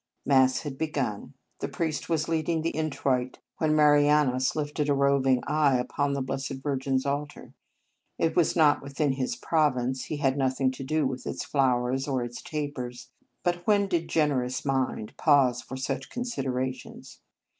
Mass had begun. The priest was reading the Introit, when Mari anus lifted a roving eye upon the Blessed Virgin s altar. It was not within his province; he had nothing to do with its flowers or its tapers; but when did generous mind pause for such considerations